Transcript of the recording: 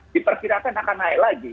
diperkirakan akan naik lagi